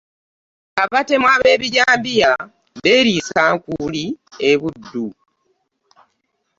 Abatemu ab'ebijambiya beeriisa nkuuli e Buddu.